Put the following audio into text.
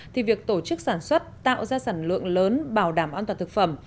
thì việc tổ chức sản xuất tạo ra sản lượng lớn bảo đảm an toàn thực phẩm